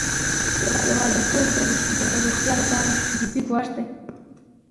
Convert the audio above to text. یوازیتوب د روغتیا لپاره جدي ګواښ دی.